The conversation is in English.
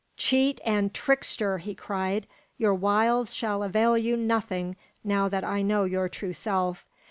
"Cheat and trickster!" he cried, "your wiles shall avail you nothing now that I know your true self.